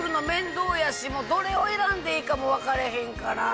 どれを選んでいいかも分かれへんから。